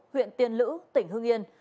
huyện tiên lữ tỉnh hương yên